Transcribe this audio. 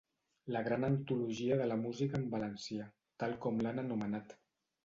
La gran antologia de la música en valencià, tal com l’han anomenat.